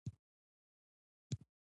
افغانستان د نمک له پلوه متنوع دی.